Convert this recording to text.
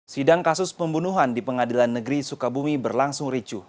sidang kasus pembunuhan di pengadilan negeri sukabumi berlangsung ricu